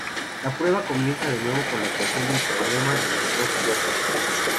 La prueba comienza de nuevo con la ecuación del problema de los dos cuerpos.